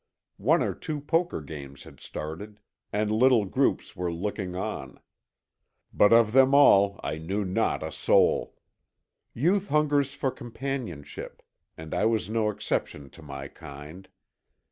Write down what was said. One or two poker games had started, and little groups were looking on. But of them all I knew not a soul. Youth hungers for companionship, and I was no exception to my kind.